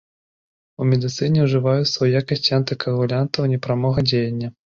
У медыцыне ўжываюцца ў якасці антыкаагулянтаў непрамога дзеяння.